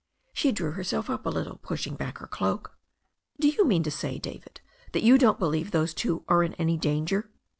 She drew herself up a little, pushing back her cloak. "Do you mean to say, David, that you don't believe those two are in any danger?"